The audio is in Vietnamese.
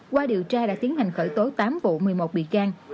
qua điều tra đã tiến hành khởi tố tám vụ một mươi một bị can